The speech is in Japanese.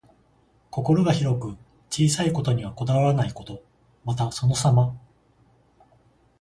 心が広く、小さいことにはこだわらないこと。また、そのさま。